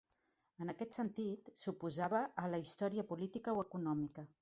En aquest sentit, s'oposava a la història política o econòmica.